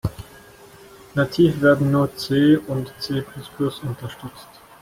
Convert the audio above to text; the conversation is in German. Nativ werden nur C und C-plus-plus unterstützt.